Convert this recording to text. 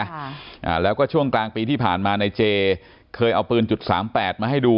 อ่าแล้วก็ช่วงกลางปีที่ผ่านมาในเจเคยเอาปืนจุดสามแปดมาให้ดู